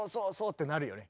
ってなるよね。